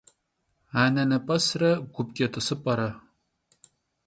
Anenep'esre gupç'e t'ısıp'ere.